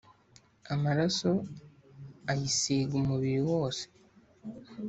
amaraso ayisiga umubiri wose.